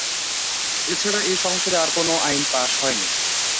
এ ছাড়া এ সংসদে আর কোনো আইন পাস হয়নি।